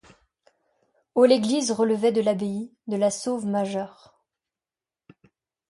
Au l'église relevait de l'abbaye de La Sauve-Majeure.